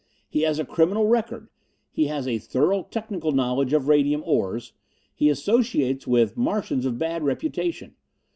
He has a criminal record. He has a thorough technical knowledge of radium ores. He associates with Martians of bad reputation.